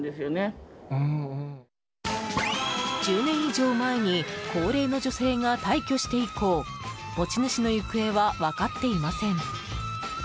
１０年以上前に高齢の女性が退去して以降持ち主の行方は分かっていません。